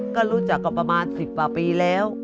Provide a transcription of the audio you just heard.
ก็รู้จักกับประมาณ๑๐กว่าปีแล้ว